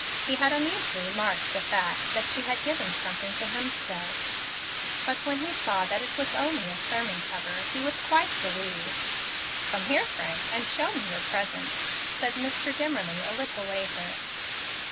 He had uneasily marked the fact that she had given something to Hemstead, but when he saw that it was only a sermon cover, he was quite relieved. "Come here, Frank, and show me your present," said Mr. Dimmerly, a little later.